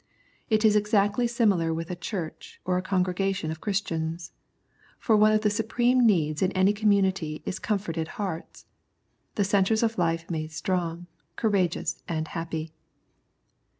It is exactly similar with a Church or a congregation of Christians, for one of the supreme needs in any community is comforted hearts — the centres of life made strong, courageous, and happy.